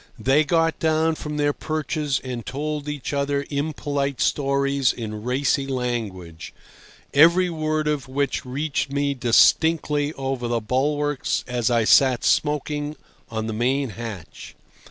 They got down from their perches and told each other impolite stories in racy language, every word of which reached me distinctly over the bulwarks as I sat smoking on the main hatch.